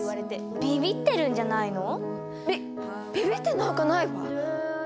びびびってなんかないわ！